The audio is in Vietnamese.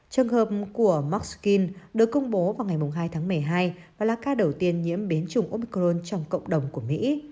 trường hợp của mxkin được công bố vào ngày hai tháng một mươi hai và là ca đầu tiên nhiễm biến chủng omcoron trong cộng đồng của mỹ